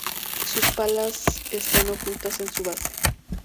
Sus palas están ocultas en su base.